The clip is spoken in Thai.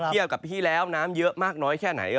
กับพี่แล้วน้ำเยอะมากน้อยแค่ไหน